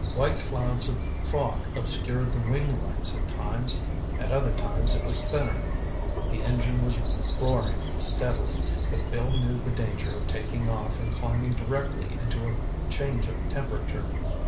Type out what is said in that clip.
White clouds of fog obscured the wing lights at times. At other times it was thinner. The engine was roaring steadily, but Bill knew the danger of taking off and climbing directly into a change of temperature.